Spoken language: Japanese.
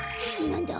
なんだ？